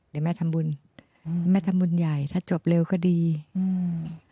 เดี๋ยวแม่ทำบุญอืมแม่ทำบุญใหญ่ถ้าจบเร็วก็ดีอืม